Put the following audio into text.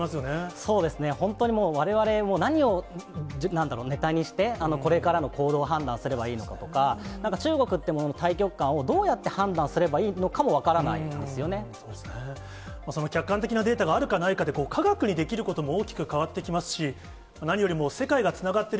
そうですね、本当にもう、われわれ、何をネタにして、これからの行動を判断すればいいのかとか、なんか中国っていうものの大局観をどうやって判断すればいいのかその客観的なデータがあるかないかで、科学にできることも大きく変わってきますし、何よりも世界がつながっている